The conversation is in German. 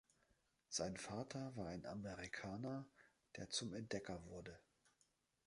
Sein Vater war ein Amerikaner, der zum Entdecker wurde.